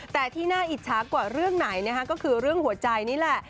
แต่ที่น่าอิจฉากว่าเรื่องไหนนะคะก็คือเรื่องหัวใจนี่แหละ